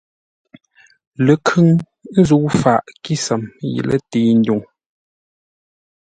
Ləkhʉŋ zə̂u faʼ kísəm yi lətəi-ndwuŋ.